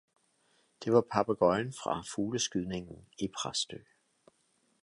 det var papegøjen fra fugleskydningen i Præstø.